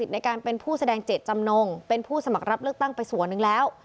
ในการเป็นผู้แสดงเจตจำนงเป็นผู้สมัครรับเลือกตั้งไปส่วนหนึ่งแล้ว